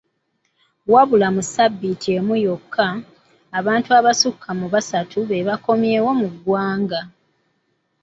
Wabula mu sabbiiti emu yokka, abantu abasukka mu bisatu bebaakomyewo mu ggwanga.